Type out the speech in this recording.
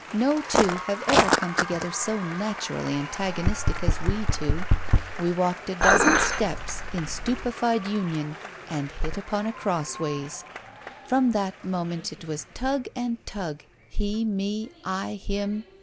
No two have ever come together so naturally antagonistic as we two. We walked a dozen steps in stupefied union, and hit upon crossways. From that moment it was tug and tug; he me, I him.